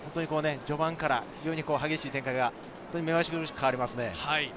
序盤から激しい展開が目まぐるしく変わりますね。